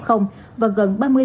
và gần ba mươi bệnh nhân này